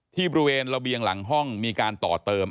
ที่บริเวณระเบียงหลังห้องมีการต่อเติม